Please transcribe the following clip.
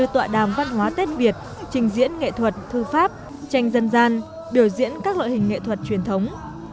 tọa đàm văn hóa tết việt trình diễn nghệ thuật thư pháp tranh dân gian biểu diễn các loại hình nghệ thuật truyền thống